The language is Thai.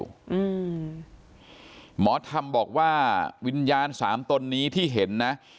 อืมหมอธรรมบอกว่าวิญญาณสามตนนี้ที่เห็นนะ